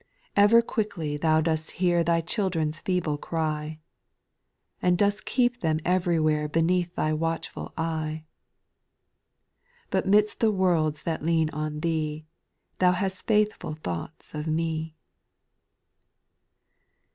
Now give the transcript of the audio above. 2. Ever quickly Thou dost hear Thy children's feeble cry, And dost keep them everywhere Beneath Thy watchful eye. But 'midst the worlds that lean on Thee Thou hast faithful thoughts of me.